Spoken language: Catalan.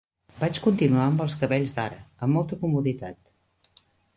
Vaig continuar amb els cabells d'ara, amb molta comoditat.